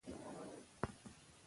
ګټوره پلټنه وکړئ.